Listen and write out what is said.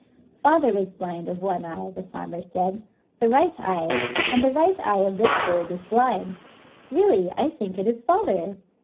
Father was blind of one eye," the farmer said, —" the right eye ; and the right eye of this bird is blind. Really, I think it is father.